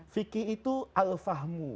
fikih itu alfahmu